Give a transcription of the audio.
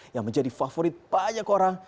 yang menjadi favorit banyak orang